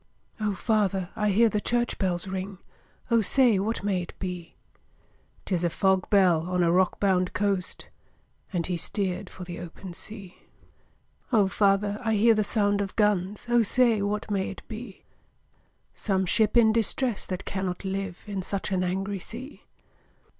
'O father! I hear the church bells ring, O say, what may it be?' ''Tis a fog bell, on a rock bound coast!' And he steer'd for the open sea. 'O father! I hear the sound of guns, O say, what may it be?' 'Some ship in distress that cannot live In such an angry sea!'